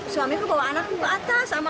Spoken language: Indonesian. suami itu bawa anak ke atas sama